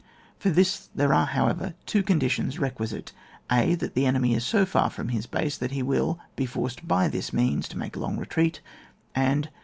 For this there are, however, two conditions requisite :— (a.) That the enemy is so far from his base that he will be forced by this means to make a long retreat, and (6.)